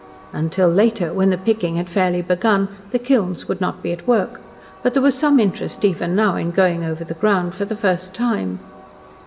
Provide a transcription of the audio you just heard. Until later, when the "picking" had fairly begun, the kilns would not be at work; but there was some interest even now in going over the ground for the first time.